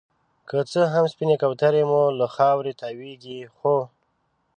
که څه هم سپينې کونترې مو له خاورې تاويږي ،خو